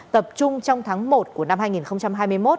tập trung trong tháng một của năm hai nghìn hai mươi một